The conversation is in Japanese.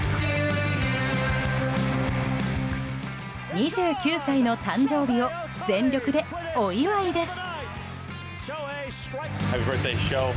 ２９歳の誕生日を全力でお祝いです。